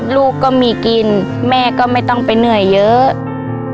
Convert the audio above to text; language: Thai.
ลูกก็มีกินแม่ก็ไม่ต้องไปเหนื่อยเยอะ